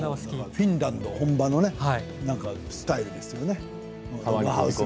フィンランド本場のスタイルです